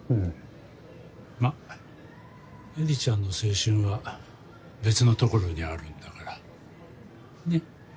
ま絵里ちゃんの青春は別のところにあるんだからね。